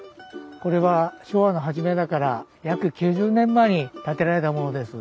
これは昭和の初めだから約９０年前に建てられたものです。